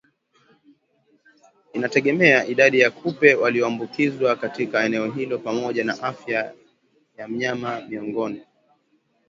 Inategemea idadi ya kupe walioambukizwa katika eneo hilo pamoja na afya ya mnyama Miongoni